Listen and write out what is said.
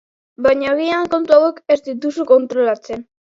Baina agian kontu hauek ez dituzu kontrolatzen.